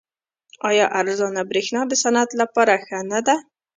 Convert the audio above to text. آیا ارزانه بریښنا د صنعت لپاره ښه نه ده؟